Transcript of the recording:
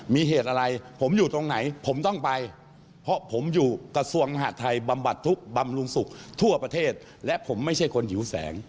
มีเหตุอะไรผมอยู่ตรงไหนผมต้องไปเพราะผมอยู่กระทรวงมหาดไทยบำบัดทุกข์บำรุงสุขทั่วประเทศและผมไม่ใช่คนหิวแสง